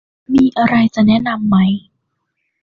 มีอะไรจะแนะนำไหม